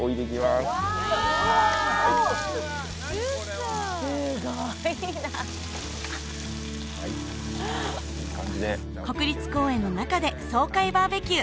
すごいな国立公園の中で爽快バーベキュー